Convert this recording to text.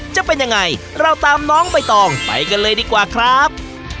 จะเป็นยังไงเราตามน้องใบตองไปกันเลยดีกว่าครับ